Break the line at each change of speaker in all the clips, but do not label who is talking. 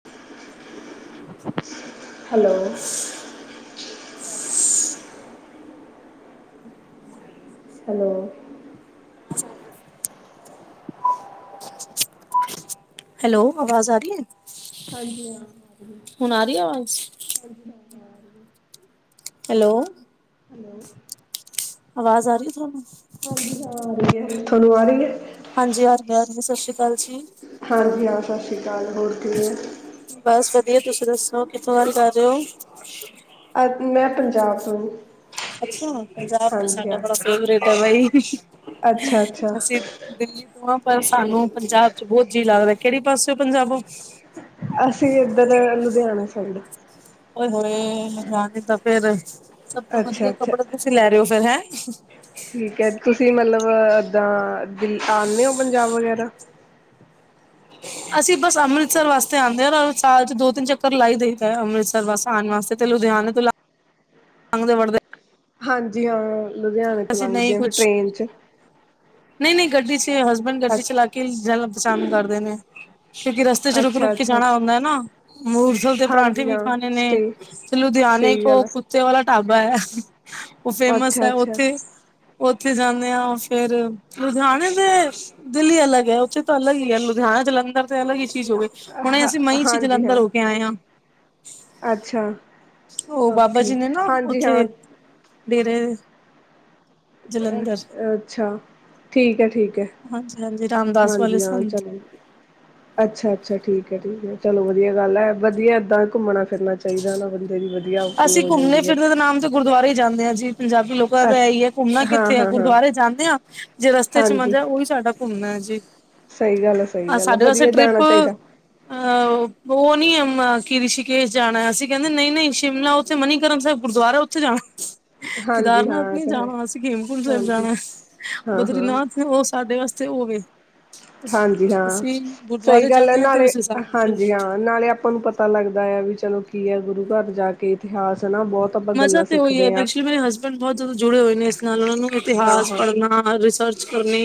[inaudible]
Hello. Hello.
Hello, ਆਵਾਜ਼ ਆ ਰਈ ਐ?
ਹਾਂਜੀ ਹਾਂ।
ਹੁਣ ਆ ਰਈ ਆ ਆਵਾਜ਼?
ਹਾਂਜੀ ਹਾਂ। ਰਹੀ
ਹੈਲੋ।
ਹੈਲੋ।
ਆਵਾਜ਼ ਆ ਰਈ ਐ ਤੁਹਾਨੂੰ?
ਹਾਂਜੀ ਹਾਂ, ਆ ਰਈ ਐ ਥੋਨੂੰ ਆ ਰਈ ਐ?
ਹਾਂਜੀ-ਹਾਂਜੀ ਸਤਿ ਸ਼੍ਰੀ ਅਕਾਲ ਜੀ।
ਹਾਂਜੀ ਹਾਂ, ਸਤਿ ਸ਼੍ਰੀ ਕਾਲ ਹੋਰ ਕਿਵੇਂ ਓ?
ਬਸ ਵਧੀਆ ਤੁਸੀਂ ਦੱਸੋ ਕਿੱਥੋਂ ਗੱਲ ਕਰ ਰਏ ਓ?
ਅ ਮੈਂ ਪੰਜਾਬ ਤੋਂ ਜੀ।
ਅੱਛਾ, ਪੰਜਾਬ ਤੇ ਸਾਡਾ ਬੜਾ ਫੇਵਰੇਟ ਐ ਬਾਈ,
ਅੱਛਾ ਅੱਛਾ
ਅਸੀਂ ਦਿੱਲੀ ਤੋਂ ਆ ਪਰ ਸਾਨੂੰ ਪੰਜਾਬ ਚ ਬੋਤ ਜੀਅ ਲੱਗਦਾ ਕੇੜੀ ਪਾਸਿਓ ਪੰਜਾਬੋ?
ਅਸੀਂ ਏਧਰ ਲੁਧਿਆਣਾ ਸਾਈਡ।
ਓਏ ਹੋਏ, ਲੁਧਿਆਣੇ ਤਾਂ ਫੇਰ, ਸਭ ਤੋਂ
ਅੱਛਾ
ਵਦੀਆ
ਅੱਛਾ
ਕੱਪੜੇ ਤੁਸੀਂ ਲੈ ਰਏ ਓ ਫੇਰ ਹੈ।
ਠੀਕ ਐ, ਤੁਸੀਂ ਮਤਲਬ ਇੱਦਾਂ ਦਿੱਲੀ, ਆਣੇ ਓ ਪੰਜਾਬ ਵਗੈਰਾ।
ਅਸੀਂ ਬਸ ਅੰਮ੍ਰਿਤਸਰ ਵਾਸਤੇ ਆਂਦੇ ਆ ਨਾ ਸਾਲ ਚ ਦੋ-ਤਿੰਨ ਚੱਕਰ ਲਾ ਈ ਦਿਈਦਾ ਅੰਮ੍ਰਿਤਸਰ ਬਸ ਆਣ ਵਾਸਤੇ। ਲੁਧਿਆਣੇ ਤੋਂ ਲੰਘ, ਲੰਘਦੇ-ਵੜਦੇ
ਹਾਂਜੀ ਹਾਂ, ਲੁਧਿਆਣੇ ਤੋਂ
ਅਸੀਂ
ਲੰਘਦੇ ਆ ਫਿਰ ਟ੍ਰੇਨ ਚ
ਨਈਂ-ਨਈਂ ਗੱਡੀ ਚ ਹਸਬੈਂਡ ਗੱਡੀ ਚਲਾ
ਅੱਛਾ
ਕੇ ਜਾਣਾ ਪਸੰਦ ਕਰਦੇ ਨੇ। ਕਿਓਂਕਿ ਰਸਤੇ ਚ
ਅੱਛਾ
ਰੁਕ-ਰੁਕ ਕੇ
ਅੱਛਾ
ਜਾਨਾ ਹੁੰਦਾ ਐ ਨਾ, ਮੂਰਸਲ ਦੇ ਪਰਾਂਠੇ
ਹਾਂਜੀ
ਵੀ
ਹਾਂ
ਖਾਨੇ ਨੇ
ਸਟੇ
ਤੇ ਲੁਦਿਆਨੇ
ਸਹੀ ਗੱਲ
ਕੋ ਕੁੱਤੇ ਵਾਲਾ ਢਾਬਾ ਐ, ਓ
ਹੈ
ਫੇਮਸ
ਅੱਛਾ
ਐ
ਅੱਛਾ
ਓਥੇ ਓਥੇ ਜਾਂਨੇ ਆਂ ਫੇਰ ਲੁਧਿਆਨੇ ਦੇ, ਦਿੱਲੀ ਅਲਗ ਐ ਓਥੇ ਤੇ ਅਲਗ ਈ ਐ ਲੁਧਿਆਨੇ, ਜਲੰਧਰ ਤੇ ਅਲਗ ਈ ਚੀਜ਼ ਹੋਗੇ, ਹੁਨੇ
ਹਾਂ
ਅਸੀਂ ਮਈ ਚ
ਹਾਂਜੀ
ਜਲੰਧਰ
ਹਾਂ
ਹੋ ਕੇ ਆਏ ਆਂ।
ਅੱਛਾ
ਓ ਬਾਬਾ ਜੀ
ਓਕੇ
ਨੇ ਨਾ
ਹਾਂਜੀ ਹਾਂ
ਓਥੇ ਡੇਰੇ
ਅ
ਜਲੰਧਰ
ਅੱਛਾ, ਠੀਕ ਐ ਠੀ ਕੈ,
ਹਾਂਜੀ ਹਾਂਜੀ ਰਾਮਦਾਸ ਵਾਲੇ
ਹਾਂਜੀ ਹਾਂ
ਸੰਤ
ਚਲੋ ਅੱਛਾ-ਅੱਛਾ ਠੀਕ ਐ-ਠੀਕ ਐ ਚਲੋ ਵਦੀਆ ਗੱਲ ਐ ਵਦੀਆ ਏਦਾਂ ਘੁੰਮਣਾ ਫਿਰਨਾ ਚਾਈਦਾ ਨਾ ਬੰ ਦੀ ਵਦੀਆ ਆਊਟਿੰਗ
ਅਸੀਂ
ਹੋ
ਘੁੰਮਣੇ
ਜਾਂਦੀ ਐ।
ਫਿਰਦੇ ਦੇ ਨਾਮ ਤੇ ਗੁਰਦੁਆਰੇ ਈ ਜਾਂਦੇ ਆ ਅਸੀਂ ਪੰਜਾਬੀ ਲੋਕ ਜਾਦਾ
ਅੱਛ
ਐਈ ਆ ਘੁੰਮਨਾ
ਹਾਂ
ਕਿੱਥੇ ਆ
ਹਾਂ ਹਾਂ
ਗੁਰਦੁਆਰੇ ਜਾਂਨੇ ਆ ਜੇ ਰਸਤੇ ਚ ਮਜਾ ਓਈ ਸਾਡਾ ਘੁੰਮਨਾ ਜੀ।
ਸਈ ਗੱਲ ਐ-ਸਈ ਗੱਲ ਐ
ਸਾਡੇ ਵਾਸਤੇ
ਵਦੀਆ
ਟ੍ਰਿਪ
ਜਾਨਾ ਚਾਈਦਾ।
ਅਹ ਓ ਨੀ ਆ ਕੇ ਰਿਸ਼ੀਕੇਸ਼ ਜਾਨਾ ਅਸੀਂ ਕੈਂਦੇ ਨਈਂ-ਨਈਂ। ਸ਼ਿਮਲਾ ਓਥੇ ਮਨੀਕਰਨ ਸੈਬ ਗੁਰਦੁਆਰਾ ਓਥੇ ਜਾਨਾ।
ਹਾਂਜੀ ਹਾਂ
ਕੇਦਾਰਨਾਥ
ਇਹ
ਨੀ
ਤਾਂ ਹੈ
ਜਾਨਾ ਅਸੀ ਹੇਮਕੁੰਟ ਸੈਬ
ਹਾਂਜੀ
ਜਾਨਾ।
ਹਾਂ ਹਾਂ
ਬਦਰੀਨਾਥ ਓ ਸਾਡੇ ਵਾਸਤੇ ਓ ਵੇ
ਹਾਂਜੀ ਹਾਂ,
ਅਸੀਂ
ਸਈ
ਗੁਰਦੁਆਰੇ
ਗੱਲ ਐ
ਜਾਂਦੇ ਹਾਂ ਤੇ
ਨਾਲੇ,
ਉਸ ਹਿਸਾਬ ਨਾਲ
ਹਾਂਜੀ ਹਾਂ। ਨਾਲੇ ਆਪਾਂ ਨੂੰ ਪਤਾ ਲੱਗਦਾ ਘ ਵੀ ਚਲੋ ਕੀ ਐ ਗੁਰੂ ਘਰ ਜਾ ਕੇ ਇਤਿਹਾਸ ਐ ਨਾ ਬੋਤ
ਮਜ਼ਾ ਤੇ ਓਈ ਐ ਐਕਚੁਲੀ ਮੇਰੇ ਹਸਬੈ ਬ ਬੋਤ ਜਾਦਾ ਜੁੜੇ ਹੋਏ ਨੇ ਇਸ ਨਾਲ ਓਨਾਂ ਨੂੰ
ਹਾਂ
ਇਤਿਹਾਸ
ਹਾਂ
ਪੜਨਾ ਰਿਸਰਚ ਕਰਨੀ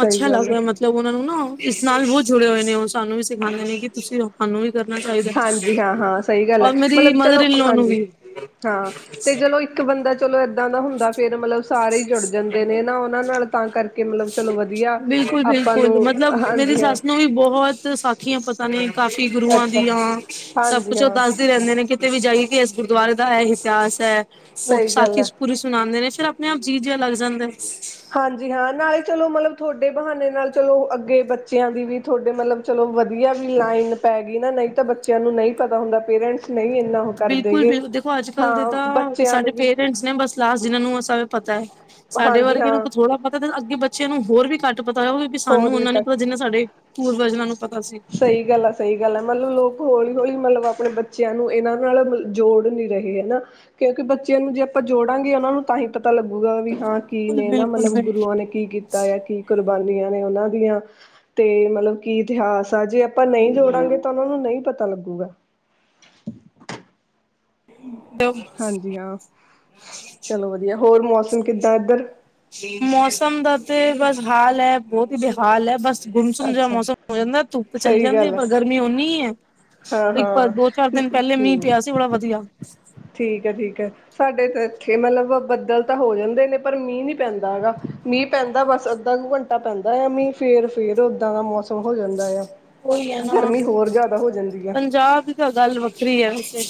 ਸਹੀ
ਅੱਛਾ
ਗੱਲ ਹੈ
ਲੱਗਦਾ ਮਤਲਬ ਓਨਾਂ ਨੂੰ ਨਾ ਇਸ ਨਾਲ ਬੋਤ ਜੁੜੇ ਹੋਏ ਨੇ ਓ ਸਾਨੂੰ ਵੀ ਸਿਖਾਂਦੇ ਨੇ ਕੇ ਤੁਸੀਂ ਸਾਨੂੰ ਵੀ ਕਰਨਾ ਚਾਈਦਾ,
ਹਾਂਜੀ ਹਾਂ ਹਾਂ ਸਹੀ ਗੱਲ ਹੈ
ਔਰ ਮੇਰੀ
ਮਤਲਬ
ਮਦਰ
ਚਲੋ
ਇਨ ਲੌ ਨੂੰ
ਹਾਂਜੀ
ਵੀ।
ਹਾਂ ਤੇ ਚਲੋ ਇੱਕ ਬੰਦਾ ਚਲੋ ਐਦਾਂ ਦਾ ਹੁੰਦਾ ਫੇਰ ਮਤਲਬ ਸਾਰੇ ਈ ਜੁੜ ਜਾਂਦੇ ਨੇ ਨਾ ਓਨਾਂ ਨਾਲ। ਤਾਂ ਕਰਕੇ ਮਤਲਬ ਚਲੋ ਵਧੀਆ ਆਪਾਂ ਨੂੰ
ਬਿਲਕੁਲ-ਬਿਲਕੁਲ ਮਤਲਬ ਮੇਰੀ
ਹਾਂਜੀ ਹਾਂ
ਸੱਸ ਨੂੰ ਵੀ ਬੋਤ ਸਾਖੀਆਂ ਪ ਤਾ ਨੇ ਕਾਫੀ ਗੁਰੂਆਂ
ਅੱਛਾ
ਦੀਆਂ, ਸਬ
ਹਾਂਜੀ
ਕੁਛ ਓ
ਹਾਂ
ਦੱਸਦੇ ਰੈਂਦੇ ਨੇ ਕੇ ਤੇ ਵੀ ਜਾਈਏ ਇਸ ਗੁਰਦੁਆਰੇ ਦਾ ਐ ਇਤਿਹਾਸ ਐ, ਓ ਵੀ
ਸਹੀ ਗੱਲ
ਸਾਖੀ
ਹੈ
ਪੂਰੀ ਸੁਨਾਂਦੇ ਨੇ ਫਿਰ ਨਾ ਜੀ ਜਿਆ ਲੱਗ ਜਾਂਦਾ।
ਹਾਂਜੀ ਹਾਂ ਨਾਲੇ ਚਲੋ ਮਤਲਬ ਥੋਡੇ ਬਹਾਨੇ ਨਾਲ ਚਲੋ ਅੱਗੇ ਬੱਚਿਆਂ ਦੀ ਵੀ ਥੋਡੇ ਮਤਲਬ ਚਲੋ ਵਦੀਆ ਵੀ ਲਾਈਨ ਪੈ ਗੀ ਨਾ ਨਈਂ ਤਾਂ ਬੱਚੇਆਂ ਨੂੰ ਨਈਂ ਪਤਾ ਹੁੰਦਾ ਪੇਰੈਂਟਸ ਨਈਂ
ਬਿਲਕੁਲ ਬਿਲ ਦੇਖੋ ਅੱਜ-ਕੱਲ ਦੇ ਤਾਂ
ਬੱਚਿਆਂ
ਸਾਡੇ
ਨੂੰ ਵੀ
ਪੇਰੈਂਟਸ ਨੇ ਬਸ ਲਸ ਜਿਨਾਂ ਨੂੰ ਓ ਸਬ ਪਤਾ, ਸਾਡੇ
ਹਾਂਜੀ
ਵਰਗੇਆਂ ਨੂੰ
ਹਾਂ
ਥੋੜਾ ਪਤਾ ਅੱਗੇ ਬੱਚੇਆਂ ਨੂੰ ਹੋਰ ਵੀ ਘੱਟ ਤਾਂ ਪਤਾ ਕਿਓਂਕਿ ਸਾਨੂੰ
ਹੋਰ ਵੀ
ਓਨਾਂ ਨੀ
ਕ
ਪਤਾ ਜਿੰਨਾ ਸਾਡੇ ਪੂਰਵਜਾਂ ਨੂੰ ਪਤਾ ਸੀ।
ਸਈ ਗੱਲ ਐ ਮਤਲਬ ਲੋਕ ਹੌਲੀ-ਹੌਲੀ ਮਤਲਬ ਆਪਨੇ ਬੱਚੇਆਂ ਨੂੰ ਏਨਾਂ ਨਾਲ ਜੋੜ ਨੀ ਰਹੇ ਹਨਾ। ਕਿਓਂਕਿ ਬੱਚੇਆਂ ਨੂੰ ਜੇ ਆਪਾਂ ਜੋੜਾਂਗੇ ਓਨਾਂ ਨੂੰ ਤਾਂਹੀ ਪਤਾ ਲੱਗੂਗਾ ਵੀ ਹਾਂ ਕੀ ਨੇ ਨਾ
ਬਿਲਕੁਲ
ਮਤਲਬ ਗੁਰੂਆਂ ਨੇ ਕੀ ਕੀਤਾ ਆ ਕੀ ਕੁਰਬਾਨੀਆਂ ਨੇ ਓਨਾਂ ਦੀਆਂ। ਤੇ ਮਤਲਬ ਕੀ ਇਤਿਹਾਸ ਆ ਜੇ ਆਪਾਂ ਨਈਂ ਜੋੜਾਂਗੇ ਤਾਂ ਓਨਾ ਨੂੰ ਨਈਂ ਪਤਾ ਲੱਗੂਗਾ।
ਦੋ
ਹਾਂਜੀ ਹਾਂ, ਚਲੋ ਵਦੀਆ ਹੋਰ ਮੌਸਮ ਕਿੱਦਾਂ ਏਦਰ।
ਮੌਸਮ ਦਾ ਤੇ ਬਸ ਹਾਲ ਐ ਬੋਤ ਈ ਬੇਹਾਲ ਐ ਬਸ। ਗੁੰਮਸੁੰਮ ਜਾ
ਅੱਛਾ
ਮੌਸਮ ਹੋ ਜਾਂਦਾ ਧੁੱਪ ਚਲੀ
ਸਹੀ
ਜਾਂਦੀ ਐ
ਗੱਲ ਹੈ
ਪਰ ਗਰਮੀ ਓਨੀ ਐ।
ਹਾਂ
ਇੱਕ ਵਾਰ
ਹਾਂ
ਦੋ ਚਾਰ ਦਿਨ ਪੈਲੇ ਮੀਂਹ
ਹਮ
ਪਿਆ ਸੀ ਬੜਾ ਵਦੀਆ।
ਠੀਕ ਐ-ਠੀਕ ਐ। ਸਾਡੇ ਤਾਂ ਇੱਥੇ ਮਤਲਬ ਬੱਦਲ ਤਾਂ ਹੋ ਜਾਂਦੇ ਨੇ ਪਰ ਮੀਂਹ ਨੀ ਪੈਂਦਾ ਹੈਗਾ ਮੀਂਹ ਪੈਂਦਾ ਬਸ ਅੱਧਾ ਕੁ ਘੰਟ ਟਾ ਪੈਂਦਾ ਆ ਮੀਂ, ਫਿਰ, ਫੇਰ ਓਦਾਂ ਦਾ ਮੌਸਮ ਹੋ ਜਾਂਦਾ ਆ
ਉਹੀ ਹੈ
ਗਰਮੀ ਹੋਰ ਜਿਆਦਾ ਹੋ ਜਾਂਦੀ ਆ
ਏ ਤਾਂ ਗੱਲ ਵੱਖਰੀ ਐ ਵੈਸੇ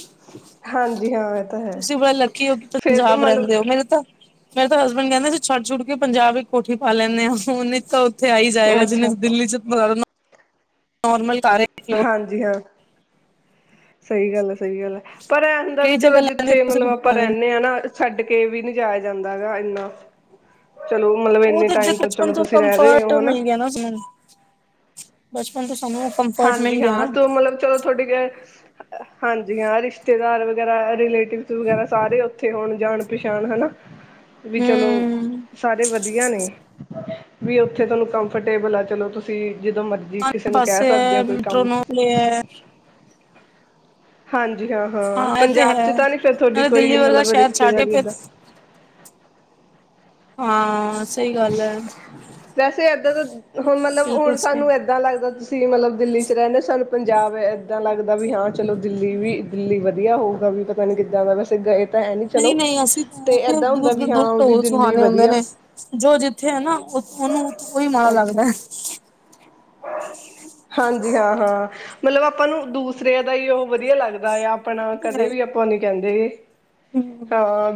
ਹਾਂਜੀ ਹਾਂ ਇਹ ਤਾਂ ਹੈ
ਤੁਸੀਂ ਬੜਾ ਲੱਕੀ ਓ ਕਿ
ਫੇਰ
ਪੰਜਾਬ ਰਹਿੰਦੇ ਓ,
ਮਤਲਬ
ਮੇਰੇ ਤਾਂ ਮੇਰੇ ਤਾਂ ਹਸਬੈਂਡ ਕਹਿੰਦੇ ਸੀ ਛੱਡ- ਛੂਡ ਕੇ ਪੰਜਾਬ ਇੱਕ ਕੋਠੀ ਪਾ ਲੈਂਦੇ ਆਂ, ਉਹਨੀ ਤੋ ਉੱਥੇ ਆਈ ਜਾਏਗਾ, ਜਿੰਨੇ
ਅੱਛਾ
ਦਿੱਲੀ 'ਚ ਆਉਂਦਾ ਨੋਰਮਲ ਕਾਰੇ
ਹਾਂਜੀ ਹਾਂ, ਸਹੀ ਗੱਲ ਆ ਸਹੀ ਗੱਲ ਐ ਪਰ ਐਹ ਹੁੰਦਾ ਵੀ
ਕਈ
ਚਲੋ
ਜਗ੍ਹਾ ਲੈਂਦੇ
ਜਿੱਥੇ ਮਤਲਬ ਆਪਾਂ
ਤੁਸੀਂ।
ਰਹਿੰਦੇ ਹਾਂ ਨਾ ਛੱਡ ਕੇ ਵੀ ਨੀ ਜਾਇਆ ਜਾਂਦਾ ਹੈਗਾ ਐਨਾ ਚਲੋ, ਮਤਲਬ
ਉਹ
ਐਨੇ
ਤਾਂ ਜੇ
ਟਾਈਮ ਤੋਂ
ਬਚਪਨ
ਚਲੋ ਤੁਸੀਂ ਰਹਿ ਰਹੇ
ਕੰਫਰਟ
ਓ ਨਾ
[unintelligible] ਬਚਪਨ ਤੋਂ ਸਾਨੂੰ ਕੰਫਰਟ ਮਿਲ
ਹਾਂਜੀ
ਗਿਆ
ਹਾਂ,
ਨਾ
ਤੂੰ ਮਤਲਬ ਚਲੋ ਤੁਹਾਡੀ ਕਹਿ ਹਾਂਜੀ ਹਾਂ, ਰਿਸ਼ਤੇਦਾਰ ਵਗੈਰਾ ਰਿਲੇਟਿਵਸ ਵਗੈਰਾ ਸਾਰੇ ਉੱਥੇ ਹੋਣ, ਜਾਣ ਪਛਾਣ ਹਨਾ ਵੀ ਚਲੋ,
ਹੂੰ
ਸਾਰੇ ਵਧੀਆ ਨੇ ਵੀ ਉੱਥੇ ਤੁਹਾਨੂੰ ਕੰਫਰਟੇਬਲ ਆ ਚਲੋ ਤੁਸੀਂ, ਜਦੋਂ ਮਰਜ਼ੀ ਕਿਸੇ ਨੂੰ ਕਹਿ
ਤੇ,
ਸਕਦੇ ਹੋ ਕੋਈ
ਮੈਟਰੋ
ਕੰਮ
ਨੋਲ ਲਿਆ
ਹਾਂਜੀ ਹਾਂ- ਹਾਂ,
ਇਹ ਤੇ
ਪੰਜਾਬ 'ਚ
ਹੈ
ਤਾਂ ਨੀ ਫੇਰ ਤੁਹਾਡੀ
ਨਾਲੇ
ਕੋਈ
ਦਿੱਲੀ ਵਰਗਾ
ਮਤਲਬ
ਸ਼ਹਿਰ ਛੱਡ ਕੇ
ਰਿਸ਼ਤੇਦਾਰੀ
ਫਿਰ
ਐਦਾਂ
ਹਾਂਸ
ਵੈਸੇ ਐਦਾਂ ਦਾ, ਹੁਣ ਮਤਲਬ ਹੁਣ
ਬਿਲਕੁਲ ਸਹੀ
ਸਾਨੂੰ ਐਦ ਐਦਾਂ ਲੱਗਦਾ ਤੁਸੀਂ ਮਤਲਬ ਦਿੱਲੀ 'ਚ ਰਹਿੰਦੇ, ਸਾਨੂੰ ਪੰਜਾਬ ਐਦਾਂ ਲੱਗਦਾ ਵੀ ਹਾਂ ਚਲੋ ਦਿੱਲੀ ਵੀ ਦਿੱਲੀ ਵਧੀਆ ਹੋਊਗਾ ਵੀ ਪਤਾ ਨਹੀਂ ਕਿੱਦਾਂ ਦਾ ਵੈਸੇ ਗਏ ਤਾਂ ਹੈ ਨੀ
ਨਹੀਂ-
ਚਲੋ
ਨਹੀਂ ਅਸੀਂ
ਤੇ
ਫਿਰ
ਏਦਾਂ ਹੁੰਦਾ
ਦੂਰ ਦ
ਵੀ
ਦੂਰ
ਹਾਂ ਵੀ
ਢੋਲ
ਦਿੱਲੀ
ਸੁਹਾਨੇ ਹੁੰਦੇ
ਵਧੀਆ
ਨੇ ਜੋ ਜਿੱਥੇ ਐ ਨਾ, ਉਹਨੂੰ ਉਹੀ ਮਾੜਾ
ਅੱਛਾ
ਲੱਗਦਾ
ਹਾਂਜੀ ਹਾਂ- ਹਾਂ, ਮਤਲਬ ਆਪਾਂ ਨੂੰ ਦੂਸਰਿਆਂ ਦਾ ਹੀ ਓ ਵਧੀਆ ਲੱਗਦਾ ਆ ਆਪਣਾ ਕਦੇ
ਹੈ
ਵੀ ਆਪਾਂ ਨੀ ਕਹਿੰਦੇ ਕੀ,
ਹਮ
ਹਾਂ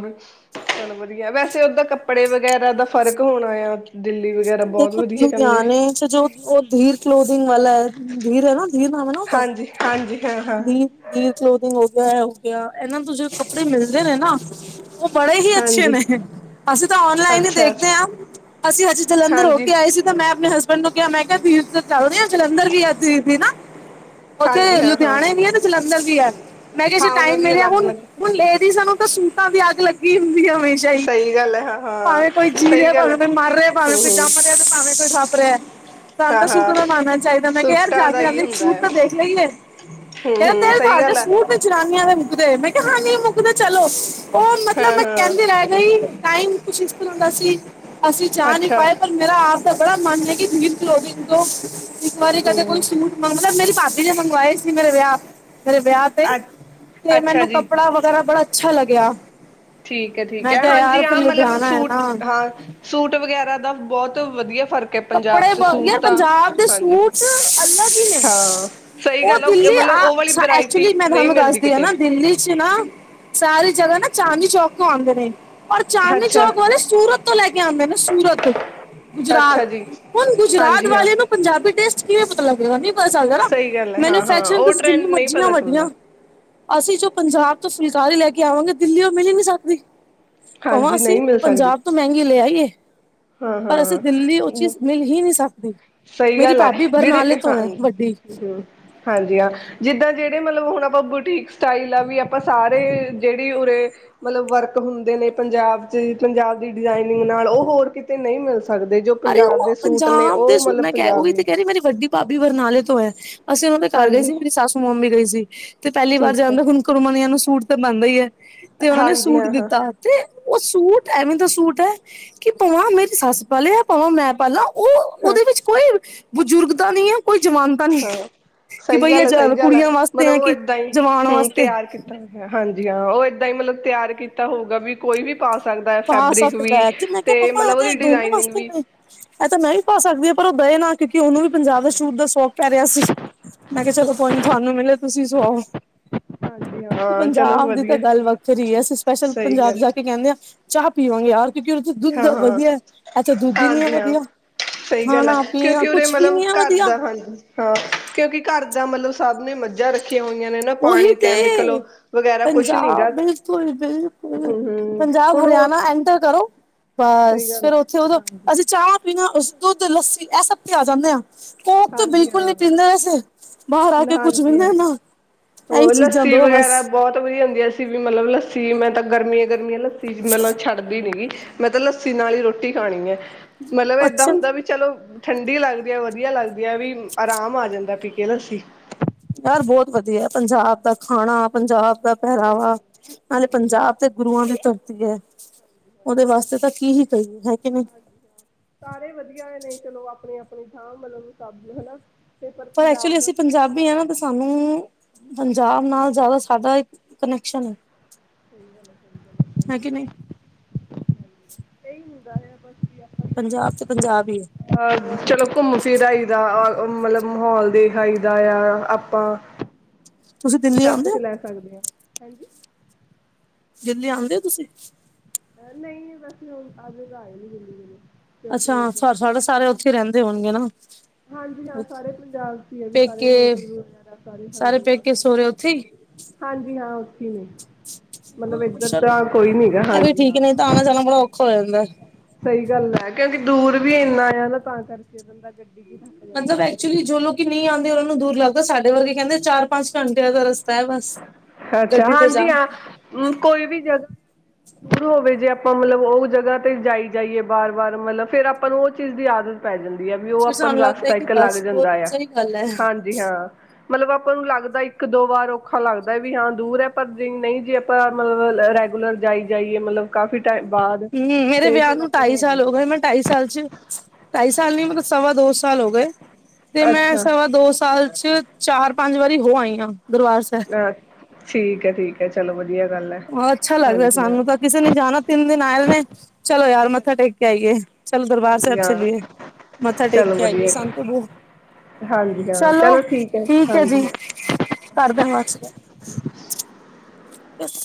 ਚਲੋ ਵਧੀਆ, ਵੈਸੇ ਉਦਾਂ ਕੱਪੜੇ ਵਗੈਰਾ ਦਾ ਫ਼ਰਕ ਹੋਣਾ ਆ ਦਿੱਲੀ ਵਗੈਰਾ ਬਹੁਤ ਵਧੀਆ ਕੈਂਦੇ
ਅੱਛਾ ਜੋ ਓ ਧੀਰ ਕਲੋਦਿੰਗ ਵਾਲਾ ਐ, ਧੀਰ ਹੈ ਨਾ ਧੀਰ ਨਾਮ ਨਾ
ਹਾਂਜੀ, ਹਾਂਜੀ ਹਾਂ- ਹਾਂ
ਗੀਰ ਕਲੋਥਿੰਗ ਹੋ ਗਿਆ, ਐਹ ਹੋ ਗਿਆ, ਇਹਨਾਂ ਤੁਸੀ ਕੱਪੜੇ ਮਿਲਦੇ ਨੇ ਨਾ ਉਹ ਬੜੇ ਹੀ ਅੱਛੇ
ਹਾਂਜੀ
ਨੇ, ਅਸੀਂ ਤਾਂ ਔਨਲਾਈਨ ਹੀ
ਅੱਛਾ
ਦੇਖਦੇ
ਅੱਛਾ
ਆਂ ਅਸੀਂ ਅੱਜ ਜਲੰਧਰ ਹੋ
ਹਾਂਜੀ
ਕੇ ਆਏ ਸੀ ਮੈਂ ਆਪਣੇ ਹਸਬੈਂਡ ਨੂੰ ਕਿਹਾ, ਮੈਂ ਕਿਹਾ ਧੀਰ ਦੇ ਚੱਲਦੇ ਆਂ, ਜਲੰਧਰ ਵੀ ਆਰ ਸੀ ਨਾ
ਹਾਂਜੀ
ਉੱਥੇ
ਹਾਂ ਹਾਂ
ਲੁਧਿਆਣੇ ਵੀ ਹੈ, ਤੇ ਜਲੰਧਰ ਵੀ ਐ, ਮੈਂ ਕਿਹਾ ਜੇ
ਹਾਂ ਉਹਨਾਂ
ਟਾਈਮ
ਦੀ
ਮਿਲਿਆ
ਅਲੱਗ
ਹੁਨ
ਅਲੱਗ
ਹੁਣ ਲੇਡੀਜ਼ਾਂ ਨੂੰ ਤਾਂ ਸੂਟਾਂ ਦੀ ਅੱਗ ਲੱਗੀ ਹੁੰਦੀ ਐ ਹਮੇਸ਼ਾ ਈ
ਸਈ ਗੱਲ ਐ ਹਾਂ ਹਾਂ
ਭਾਵੇਂ ਕੋਈ ਜੀ
ਸਹੀ
ਰਿਆ,
ਗੱਲ
ਭਾਵੇਂ
ਹੈ
ਕੋਈ ਮਰ ਰਿਆ, ਭਾਵੇਂ
ਹਮ
ਕੋਈ
ਹਮ
ਜੰਮ ਰਿਆ, ਤੇ ਭਾਵੇਂ ਕੋਈ ਹਸ ਰਿਆ ਤੁਹਾਨੂੰ
ਹਾਂ
ਤਾਂ
ਹਾਂ
ਸੂਟਾਂ ਦਾ ਮਾਨਾ ਚਾਹੀਦਾ, ਮੈਂ ਕਿਹਾ ਯਾਰ
ਸੂਟਾਂ ਦਾ
ਜਾਂਦੇ-
ਹੀ
ਜਾਂਦੇ ਇਕ
ਹੁੰਦਾ
ਸੂਟ
ਹੈ
ਤਾਂ ਦੇਖ ਲਈਏ
ਹਮ
ਕਹਿੰਦੇ
ਹਮ
ਤੇ
ਸਹੀ
ਤੁਹਾਡੇ
ਗੱਲ ਹੈ
ਸੂਟ ਜਨਾਨੀਆਂ ਦੇ ਮੁੱਕਦੇ, ਮੈਂ ਕਿਹਾ ਹਾਂ ਨਹੀਂ ਮੁੱਕਦੇ ਚਲੋ, ਉਹ ਮਤਲਬ
ਹਾਂ
ਮੈਂ
ਹਾਂ
ਕਹਿੰਦੇ ਰਹਿ ਨਹੀ, ਟਾਈਮ ਕੁਛ ਐਸ ਤਰ੍ਹਾਂ ਸੀ, ਅਸੀਂ ਜਾ ਨਹੀਂ
ਅੱਛਾ
ਪਾਏ ਪਰ ਮੇਰਾ ਆਪ ਦਾ ਬੜਾ ਮਨ ਐ ਕਿ ਧੀਰ ਕਲੋਦਿੰਗ ਤੋਂ, ਇੱਕ ਵਾਰੀ ਕਦੇ ਕੋਈ
ਹਮ
ਸੁਰ ਮਤਲਬ ਮੇਰੀ ਭਾਬੀ ਨੇ ਮੰਗਵਾਏ ਸੀ ਮੇਰੇ ਵਿਆਹ, ਮੇਰੇ ਵਿਆਹ ਤੇ,
ਅ ਅੱਛਾ
ਮੈਨੂੰ
ਜੀ
ਕੱਪੜਾ ਵਗੈਰਾ ਬੜਾ ਅੱਛਾ ਲੱਗਿਆ
ਠੀਕ ਐ- ਠੀਕ
ਮੈਂ
ਐ,
ਕਿਹਾ
ਹਾਂਜੀ
ਯਾਰ ਫਿਰ
ਹਾਂ ਮਤਲਬ
ਲੁਧਿਆਣਾ ਹੈ
ਸੂਟ,
ਨਾ
ਹਾਂ ਸੂਟ ਵਗੈਰਾ ਦਾ ਬਹੁਤ ਵਧੀਆ ਫ਼ਰ
ਕੱਪੜੇ ਬ, ਯਾਰ ਪੰਜਾਬ ਦੇ ਸੂਟ ਅਲਗ ਈ ਨੇ।
ਹਾਂ ਸਹੀ
ਉਹ
ਗੱਲ ਹੈ
ਦਿੱਲੀ
ਮਤਲਬ
ਆ,
ਉਹ ਵਾਲੀ
ਸ
ਵਰਾਇਟੀ
ਐਕਚੁਲੀ ਮੈਂ
ਨਹੀਂ
ਤੁਹਾਨੂੰ
ਮਿਲਦੀ
ਦੱਸਦੀ ਆ
ਕਿਤੇ
ਨਾ। ਦਿੱਲੀ 'ਚ ਨਾ ਸਾਰੀ ਜਗ੍ਹਾ ਨਾ, ਚਾਂਦਨੀ ਚੌਕ ਤੋਂ ਆਂਦੇ ਨੇ। ਪਰ ਚਾਂਦਨੀ
ਅੱਛਾ
ਚੌਂਕ ਵਾਲੇ ਸੂਰਤ ਤੋਂ ਲੈ ਕੇ ਆਂਦੇ ਨੇ। ਸੂਰਤ ਗੁਜਰਾਤ
ਅੱਛਾ ਜੀ,
ਹੁਣ ਗੁਜਰਾਤ
ਹਾਂਜੀ ਹਾਂ।
ਵਾਲੇ ਨੂੰ, ਪੰਜਾਬੀ ਟੇਸਟ ਕਿਵੇਂ ਪਤਾ ਲੱਗੇਗਾ। ਨੀ ਹੋਏ ਸਕਦਾ ਨਾ।
ਸਹੀ ਗੱਲ ਹੈ ਹਾਂ ਹਾਂ
ਮੈਨੂਫੈਕਚਰਿਗ
ਉਹ
ਤੁਸੀਂ ਜਿੰਨੀ
ਟਰੈਂਡ ਨਹੀਂ
ਮਰਜ਼ੀਆਂ
ਪਤਾ
ਵੱਡੀਆਂ
ਚੱਲਦਾ।
ਅਸੀਂ ਜੋ ਪੰਜਾਬ ਤੋਂ ਫੁਲਕਾਰੀ ਲੈ ਕੇ ਆਵਾਂਗੇ। ਦਿੱਲੀ ਉਹ ਮਿਲ ਈ ਨੀ਼ ਸਕਦੀ‌। ਭਵਾਂ
ਹਾਂਜੀ
ਅਸੀਂ
ਨਹੀਂ ਮਿਲ
ਪੰਜਾਬ ਤੋਂ ਮਹਿੰਗੀ ਲਿਆਈਏ।
ਹਾਂ-ਹਾਂ। ਨਹੀਂ,
ਸਕਦੀ
ਸਹੀ
ਮੇਰੀ
ਗੱਲ ਆ।
ਭਾਬੀ ਬਰਨਾਲੇ
ਜਿਹੜੇ ਹਾਂ
ਤੋਂ ਹੈ ਵੱਡੀ
ਹੂੰ ਹਾਂਜੀ, ਹਾਂ। ਜਿੱਦਾਂ ਜਿਹੜੇ ਮਤਲਬ ਹੁਣ ਆਪਾਂ ਬੁਟੀਕ ਸਟਾਈਲ ਆ, ਵੀ ਆਪਾਂ ਸਾਰੇ ਜਿਹੜੀ ਉਰੇ ਮਤਲਬ ਵਰਕ ਹੁੰਦੇ ਨੇ ਪੰਜਾਬ 'ਚ ਪੰਜਾਬ ਦੀ ਡਿਜ਼ਾਇਨਿੰਗ ਨਾਲ ਉਹ ਹੋਰ ਕਿਤੇ ਨਈ ਮਿਲ ਸਕਦੇ ਜੋ
ਅਰੇ
ਪੰਜਾਬ
ਉਹ
ਦੇ ਸੂਟ ਨੇ
ਪੰਜਾਬ ਦੇ
ਉਹ
ਸੂ,
ਮਤਲਬ
ਮੈਂ ਕਿਹਾ ਉਹ
ਪੰਜਾਬ
ਵੀ ਤੇ
ਦੇ
ਕਹਿ ਰਹੀ, ਮੇਰੀ ਵੱਡੀ ਭਾਬੀ ਬਰਨਾਲੇ ਤੋਂ ਐ। ਅਸੀਂ ਉਹਨਾਂ ਦੇ ਘਰ ਗਏ
ਹਾਂਜੀ
ਸੀ। ਮੇਰੀ ਸਾਸੂ ਮੌਮ ਵੀ ਗਈ ਸੀ ਤੇ ਪਹਿਲੀ ਵਾਰ
ਠੀਕ ਹੈ।
ਜਾਂਣ ਦਾ ਹੁਨ ਕੁਰਮਨੀਆਂ ਨੂੰ ਸੂਟ ਤੇ ਬਣਦਾ ਈ ਐ ਤੇ ਉਹਨਾਂ ਨੇ
ਹਾਂਜੀ
ਸੂਟ
ਹਾਂ ਹਾਂ
ਦਿੱਤਾ ਤੇ ਉਹ ਸੂਟ, ਐਵੇਂ ਦਾ ਸੂਟ ਐ। ਕਿ ਭਾਵਾਂ ਮੇਰੀ ਸੱਸ ਪਾਲੇ, ਜਾਂ ਭਾਵਾਂ ਮੈਂ ਪਾਲਾ ਉਹ,
ਹਾਂ
ਉਹਦੇ ਵਿੱਚ ਕੋਈ ਬਜ਼ੁਰਗ ਦਾ ਨੀ ਐ, ਕੋਈ ਜਵਾਨ ਦਾ ਨੀ ਐ।
ਹਾਂ ਸਹੀ ਗੱਲ ਐ, ਸਹੀ ਗੱਲ ਐ। ਮਤਲਬ
ਹੈ
ਉਹ
ਕਿ
ਏਦਾਂ ਈ
ਜਵਾਨ
ਹਮ
ਵਾਸਤੇ
ਤਿਆਰ ਕੀਤਾ ਹਾਂਜੀ, ਹਾਂ। ਉਹ ਏਦਾਂ ਈ ਮਤਲਬ ਤਿਆਰ ਕੀਤਾ ਹੋਊਗਾ, ਵੀ ਕੋਈ ਵੀ ਪਾ ਸਕਦਾ ਐ,
ਪਾ
ਫੈਬਰਿਕ
ਸਕਦਾ
ਵੀ
ਹੈ ਮੈਂ ਕਿਹਾ
ਤੇ
ਮੰਮਾ ਇਹ
ਮਤਲਬ ਉਹਦੀ
ਦੋਨੋ
ਡਿਜ਼ਾਇਨਿੰਗ
ਵਾਸਤੇ
ਵੀ
ਨੇ ਇਹ ਤਾਂ ਮੈਂ ਵੀ ਪਾ ਸਕਦੀ ਆ। ਪਰ ਉਹ ਦਏ ਨਾ, ਕਿਉਂਕਿ ਉਹਨੂੰ ਵੀ ਪੰਜਾਬ ਦੇ ਸ਼ੂਟ ਦਾ ਸ਼ੌਕ ਪੈ ਰਿਹਾ ਸੀ। ਮੈਂ ਕਿਹਾ ਚਲੋ ਕੋਈ ਨੀ, ਤੁਹਾਨੂੰ ਮਿਲੇ ਤੁਸੀਂ ਸੁਵਾਓ।
ਹਾਂਜੀ ਹਾਂ ਚਲੋ
ਪੰਜਾਬ ਦੀ ਤਾਂ
ਵਧੀਆ
ਗੱਲ ਵੱਖਰੀ ਏ। ਅਸੀਂ ਸਪੈਸ਼ਲ
ਸਹੀ
ਪੰਜਾਬ
ਗੱਲ
ਜਾ ਕੇ ਕਹਿੰਨੇ ਆ ਚਾਹ ਪੀਵਾਂਗੇ ਯਾਰ। ਕਿਉਂਕਿ ਉੱਥੇ ਦੁੱਦ
ਹਾਂ ਹਾਂ
ਵਧੀਆ, ਏਥੇ ਦੁੱਦ ਈ ਨੀ ਐ
ਹਾਂਜੀ ਹਾਂ
ਵਧੀਆ।
ਸਹੀ ਗੱਲ ਆ।
ਖਾਣਾ ਪੀਣਾ
ਕਿਉਂਕਿ ਉਰੇ
ਕੁਛ ਵੀ
ਮਤਲਬ
ਨੀ ਹੈ
ਘਰ
ਵਧੀਆ।
ਦਾ, ਹਾਂਜੀ। ਹਾਂ, ਕਿਉਂਕਿ ਘਰ ਦਾ ਮਲਬ ਸਬ ਨੇ ਮੱਝਾ ਰੱ
ਉਹੀ ਤੇ
ਵਗੈਰਾ ਕੁਛ ਨੀ ਗਾ
ਪੰਜਾਬ ਬਿਲਕੁਲ-ਬਿਲ ਕੁਲ,
ਹਮ ਹਮ
ਪੰਜਾਬ,
ਹੁਣ ਉਹ
ਹਰਿਆਣਾ ਐਂਟਰ ਕਰੋ ਬਸ
ਸਹੀ ਗੱਲ
ਫੇਰ ਉੱਥੇ ਉਦੋਂ,
ਹਾਂਜੀ
ਅਸੀਂ ਚਾਹ ਪੀਣਾ, ਉਸ ਦੁੱਧ, ਲੱਸੀ ਐਹ ਸਭ ਤੇ ਆ ਜਾਂਨੇ ਆਂ। ਕੋਕ ਤੋ
ਹਾਂਜੀ
ਬਿਲਕੁਲ ਨੀ
ਹਾਂ
ਪੀਂਦੇ ਅਸੀਂ, ਬਾਹਰ ਆ ਕੇ ਕੁਛ ਵੀਨੇ ਨਾ। ਇਹੀ
ਉਹ
ਚੀਜ਼ਾਂ
ਲੱਸੀ
ਦੋ ਬਸ
ਵਗੈਰਾ ਬਹੁਤ ਵਧੀਆ ਹੁੰਦੀ। ਅਸੀਂ ਵੀ ਮਤਲਬ ਲੱਸੀ, ਮੈਂ ਤਾਂ ਗਰਮੀਆਂ-ਗਰਮੀਆਂ ਲੱਸੀ ਲੱਸੀ ਮਤਲਬ ਛੱਡਦੀ ਨੀਗੀ। ਮੈਂ ਤਾਂ ਲੱਸੀ ਨਾਲ ਈ ਰੋਟੀ ਖਾਣੀ ਐ। ਮਤਲਬ ਏਦਾਂ
ਅੱਛਾ
ਹੁੰਦਾ ਵੀ ਚਲੋ, ਠੰਡੀ ਲੱਗਦੀ ਐ। ਵਧੀਆ ਲੱਗ ਵੀ ਐਹ ਵੀ, ਆਰਾਮ ਆ ਜਾਂਦਾ ਪੀ ਕੇ ਲੱਸੀ।
ਯਾਰ ਬਹੁਤ ਵਧੀਆ। ਪੰਜਾਬ ਦਾ ਖਾਣਾ, ਪੰਜਾਬ ਦਾ
ਸਹੀ
ਪਹਿਰਾਵਾ,
ਗੱਲ
ਨਾਲੇ ਪੰਜਾਬ ਤੇ ਗੁਰੂਆਂ ਦੀ ਧਰਤੀ ਐ। ਉਹਦੇ ਵਾਸਤੇ ਤਾਂ ਕੀ ਹੀ ਕਹੀਏ ਹੈ ਕਿ ਨਹੀਂ।
ਹਾਂਜੀ ਹਾਂ, ਸਾਰੇ ਵਧੀਆ ਨੇ ਚਲੋ, ਆਪਣੀ-ਆਪਣੀ ਥਾਂ ਮਲਬ ਸਭ ਹਨਾ। ਤੇ ਪਰ
ਤੋ
ਪੰਜਾਬ
ਐਕਚੁਲੀ
ਦਾ
ਅਸੀਂ
ਤਾਂ ਅਲੱਗ
ਪੰਜਾਬੀ ਆ
ਹੀ
ਨਾ ਤੇ ਸਾਨੂੰ ਪੰਜਾਬ ਨਾਲ ਜ਼ਿਆਦਾ ਸਾਡਾ ਇਕ ਕਨੈਕਸ਼ਨ ਐ। ਹੈ ਕਿ ਨਹੀਂ।
ਸਹੀ ਹੁੰਦਾ ਹੈ ਬਸ ਵੀ ਆਪਾਂ
ਪੰਜਾਬ
ਚਲੋ
ਤੇ ਪੰਜਾਬ ਈ ਐ।
ਅਹ ਚਲੋ, ਘੁੰਮ ਫਿਰ ਆਈ ਦਾ। ਮਤਲਬ ਮਾਹੌਲ ਦੇਖ ਆਈ ਦਾ ਆ। ਆਪਾਂ
ਤੁਸੀਂ ਦਿੱਲੀ
ਸਭ
ਆਉਂਦੇ
ਕੁਛ
ਹੋ
ਲੈ ਸਕਦੇ ਆ। ਹਾਂਜੀ।
ਦਿੱਲੀ ਆਉਂਦੇ ਹੋ ਤੁਸੀਂ?
ਨਹੀਂ ਵੈਸੇ ਹੁਣ ਅੱਜ ਤਾਂ ਆਏ ਨੀ ਦਿੱਲੀ ਕਦੀ।
ਅੱਛਾ ਸਾਰੇ ਉੱਥੇ ਹੀ ਰਹਿੰਦੇ ਹੋਣਗੇ ਨਾ?
ਹਾਂਜੀ ਹਾਂ ਸਾਰੇ ਪੰਜਾਬ ਚ ਆ ਜੀ ਸਾਰੇ
ਪੇਕੇ
ਸਾਰੇ ਹਾਂਜੀ ਹਾਂ
ਪੇਕੇ
ਸਾਰੇ।
ਸੋਹੁਰੇ ਉੱਥੇ ਹੀ
ਹਾਂਜੀ ਹਾਂ ਉੱਥੇ ਨੇ। ਮਤਲਬ ਇੱਧਰ
ਚਲ,
ਤਾਂ ਕੋਈ ਨਹੀਂ ਹੈਗਾ
ਐ ਵੀ
ਹਾਂਜੀ
ਠੀਕ ਨੇ ਨਹੀਂ ਤਾਂ
ਹਾਂ
ਆਣਾ ਜਾਣਾ ਬੜਾ ਔਖਾ ਹੋ ਜਾਂਦਾ।
ਸਹੀ ਗੱਲ ਐ ਕਿਉਂਕਿ ਦੂਰ ਵੀ ਇੰਨਾ ਆ ਨਾ ਤਾਂ ਕਰਕੇ ਬੰਦਾ ਗੱਡੀ ਚ ਥੱਕ ਜਾਂਦਾ ਆ।
ਜਿਹੜੇ ਨਹੀਂ ਆਂਦੇ ਉਹਨਾਂ ਨੂੰ ਦੂਰ ਲੱਗਦਾ, ਸਾਡੇ ਵਰਗੇ ਕਹਿੰਦੇ ਚਾਰ ਪੰਜ ਘੰਟਿਆਂ ਦਾ ਰਸਤਾ ਐ ਬਸ।
ਅੱਛਾ
ਗੱਡੀ ਤੇ ਜਾ
ਹਾਂਜੀ ਹਾਂ ਕੋਈ ਵੀ ਜਗ੍ਹਾ ਸ਼ੁਰੂ ਹੋਵੇ ਜੇ ਆਪਾਂ ਮਤਲਬ ਉਹ ਜਗ੍ਹਾ ਤੇ ਜਾਈ ਜਾਈਏ ਬਾਰ ਬਾਰ ਮਤਲਬ ਫੇਰ ਆਪਾਂ ਨੂੰ ਉਹ ਚੀਜ਼ ਦੀ ਆਦਤ ਪੈ ਜਾਂਦੀ ਆ ਵੀ ਉਹ
ਫਿਰ
ਆਪਾਂ ਨੂੰ
ਸਾਨੂੰ ਲੱਗਦਾ
ਰਸਤਾ
ਕਿ
ਇੱਕ ਲੱਗ
ਬਸ ਬਹੁਤ
ਜਾਂਦਾ ਆ
ਸਹੀ ਗੱਲ ਹੈ।
ਹਾਂਜੀ। ਜੀ ਹਾਂ ਮਤਲਬ ਆਪਾਂ ਨੂੰ ਲੱਗਦਾ ਇੱਕ ਦੋ ਵਾਰ ਔਖਾ ਲੱਗ ਵੀ ਹਾਂ ਦੂਰ ਹੈ ਪਰ ਜੇ ਨਹੀਂ ਜੇ ਆਪਾਂ ਮਤਲਬ ਰੈਗੂਲਰ ਜਾਈ ਜਾਈਏ ਮਤਲਬ ਕਾਫੀ ਟੈਮ ਬਾਅਦ
ਹੂੰ ਮੇਰੇ
ਤੇ
ਵਿਆਹ
ਫੇਰ ਆਪਾਂ
ਢਾਈ
ਨੂੰ ਔਖਾ
ਸਾਲ ਹੋ
ਲੱਗਦਾ।
ਗਏ ਮੈਂ ਢਾਈ ਸਾਲ ਚ, ਢਾਈ ਸਾਲ ਨੀ ਮਤਲਬ ਸਵਾ ਦੋ ਸਾਲ ਹੋ ਗਏ। ਤੇ ਮੈਂ
ਅੱਛਾ
ਸਵਾ ਦੋ ਸਾਲ ਚ ਚਾਰ ਪੰਜ ਵਾਰੀ ਹੋ ਆਈ ਹਾਂ ਦਰਬਾਰ ਸਾਹਿਬ।
ਅੱ ਠੀਕ ਐ ਠੀਕ ਐ ਚਲੋ ਵਧੀਆ ਗੱਲ ਐ।
ਅੱਛਾ ਲੱਗਦਾ ਸਾਨੂੰ ਤਾਂ ਕਿਸੇ ਨੇ ਜਾਣਾ ਤਿੰਨ ਦਿਨ ਆਏ ਨੇ, ਚਲੋ ਯਾਰ ਮੱਥਾ ਟੇਕ ਕੇ ਆਈਏ। ਚਲ ਦਰਬਾਰ
ਹਾਂਜੀ
ਸਾਹਿਬ
ਹਾਂ
ਚਲੀਏ, ਮੱਥਾ ਟੇਕ
ਚਲੋ
ਕੇ ਆਈਏ
ਵਧੀਆ
ਸ਼ਾਂਤੀ [inaudible]
ਹਾਂਜੀ ਹਾਂ
ਚਲੋ
ਹੈ
ਠੀਕ ਐ ਜੀ।
ਹਾਂਜੀ ਹਾਂ।
ਘਰ ਤਾਂ ਵੱਸ ਗਿਆ, ਬਸ।